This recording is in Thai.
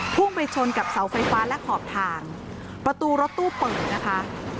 พุ่งไปชนกับเสาไฟฟ้าและขอบทางประตูรถตู้เปิดนะคะ